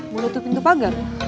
mau tutup pintu pagar